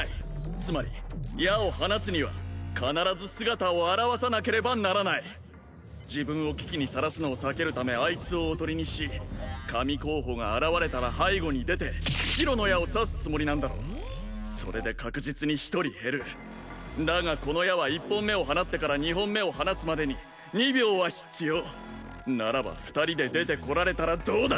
つまり矢を放つには必ず姿を現さなければならない自分を危機にさらすのを避けるためあいつをおとりにし神候補が現れたら背後に出て白の矢を刺すつもりなんだろうそれで確実に一人減るだがこの矢は一本目を放ってから二本目を放つまでに２秒は必要ならば２人で出てこられたらどうだ！